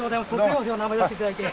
卒業生の名前出して頂いて。